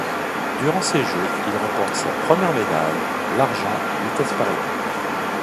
Durant ces Jeux, il remporte sa première médaille, l'argent en vitesse par équipes.